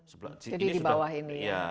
jadi di bawah ini ya